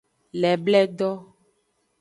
Lebledo.